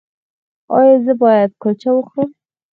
ایا زه باید کلچه وخورم؟